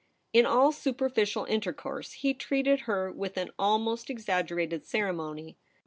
In all superficial intercourse he treated her with an almost exaggerated ceremony.